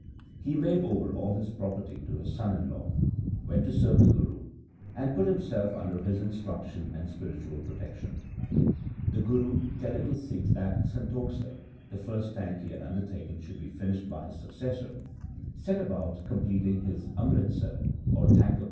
He made over all his property to his son in law, went to serve the Guru, and put himself under his instruction and spiritual protection. 3 The Guru, telling his Sikhs that Santokhsar, the first tank he had undertaken, should be finished by his successor, set about completing his Amritsar, or 1 Amritsar.